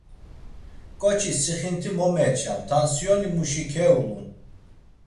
Ǩoçis sixinti mo meçam, tansiyonimuşi keyulun.